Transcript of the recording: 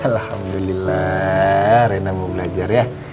alhamdulillah rena mau belajar ya